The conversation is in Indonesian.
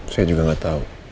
saya juga gak tau